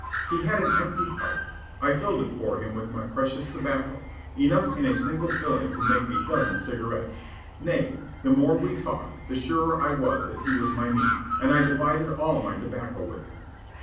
He had an empty pipe. I filled it for him with my precious tobacco enough in a single filling to make a dozen cigarettes. Nay, the more we talked the surer I was that he was my meat, and I divided all my tobacco with him.